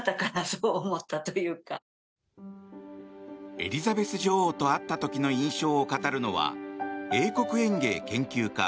エリザベス女王と会った時の印象を語るのは英国園芸研究家